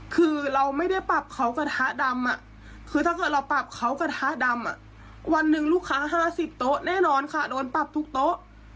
คือเราไม่ได้ปรับเขากระทะดำคือถ้าเกิดเราปรับเขากระทะดำวันหนึ่งลูกค้า๕๐โต๊ะแน่นอนค่ะโดนปรับทุกโต๊ะ